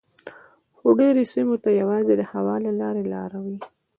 خو ډیری سیمو ته یوازې د هوا له لارې لاره وي